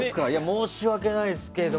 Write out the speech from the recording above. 申し訳ないですけど。